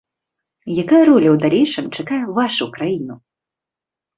Якая роля ў далейшым чакае вашу краіну?